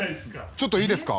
「ちょっといいですか？」